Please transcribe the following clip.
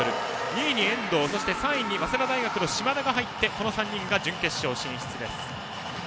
２位に遠藤３位に早稲田大学の島田が入りこの３人が準決勝進出です。